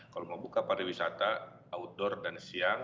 kalau mau buka para wisata outdoor dan siang